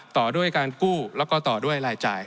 ต่อด้วยการกู้แล้วก็ต่อด้วยรายจ่าย